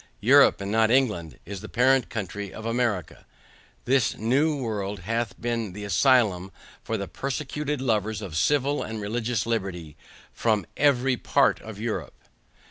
Europe, and not England, is the parent country of America. This new world hath been the asylum for the persecuted lovers of civil and religious liberty from EVERY PART of Europe.